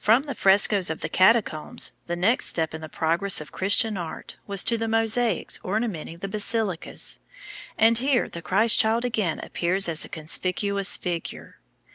From the frescos of the Catacombs the next step in the progress of Christian art was to the mosaics ornamenting the basilicas; and here the Christ child again appears as a conspicuous figure.